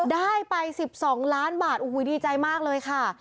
ได้ไป๑๒ล้านบาทโอ้โหดีใจมากเลยค่ะ